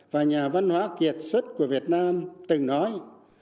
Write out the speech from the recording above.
và nhà văn hóa kiệt xuất của việt nam từng nói